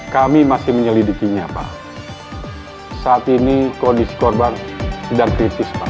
kami masih menyelidikinya pak saat ini kondisi korban sedang kritis pak